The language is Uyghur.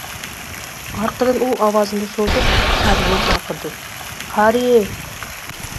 ئارقىدىن ئۇ ئاۋازىنى سوزۇپ خارىنى چاقىردى:-خارى!